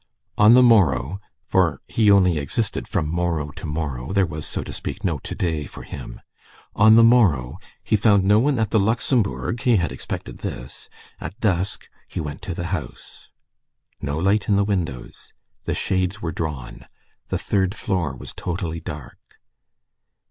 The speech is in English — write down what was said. On the morrow,—for he only existed from morrow to morrow, there was, so to speak, no to day for him,—on the morrow, he found no one at the Luxembourg; he had expected this. At dusk, he went to the house. No light in the windows; the shades were drawn; the third floor was totally dark.